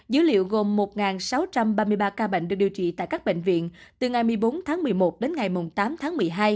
dữ liệu gồm một sáu trăm ba mươi ba ca bệnh được điều trị tại các bệnh viện từ ngày một mươi bốn tháng một mươi một đến ngày tám tháng một mươi hai